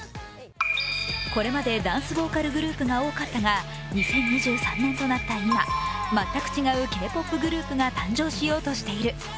これまでダンスボーカルグループが多かったが、２０２３年となった今全く違うＫ−ＰＯＰグループが誕生しようとしている。